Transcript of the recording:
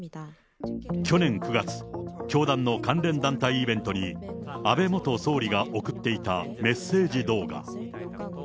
去年９月、教団の関連団体イベントに、安倍元総理が送っていたメッセージ動画。